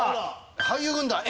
俳優軍団Ａ。